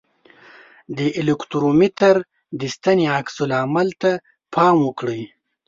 د الکترومتر د ستنې عکس العمل ته پام وکړئ.